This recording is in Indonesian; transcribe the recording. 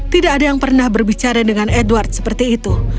tidak ada yang pernah berbicara dengan edward seperti itu